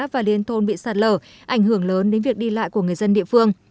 và liên thôn bị sạt lở ảnh hưởng lớn đến việc đi lại của người dân địa phương